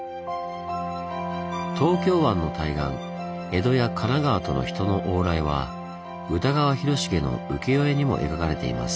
東京湾の対岸江戸や神奈川との人の往来は歌川広重の浮世絵にも描かれています。